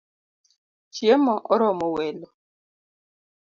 Chiemo oromo welo